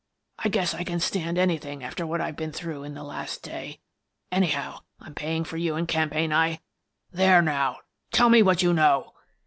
I guess I can stand anything after what I've been through in the last day. Anyhow, I'm paying for you and Kemp, ain't I? There, now! Tell me what you know!"